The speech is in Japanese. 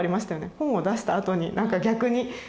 本を出したあとになんか逆に。